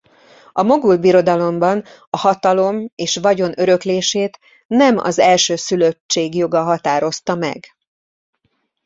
A mogul birodalomban a hatalom és vagyon öröklését nem az elsőszülöttség joga határozta meg.